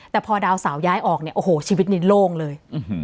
แต่พอดาวสาวย้ายออกเนี่ยโอ้โหชีวิตนี้โล่งเลย